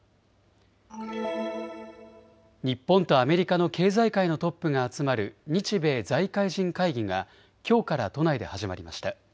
日本とアメリカの経済界のトップが集まる日米財界人会議がきょうから都内で始まりました。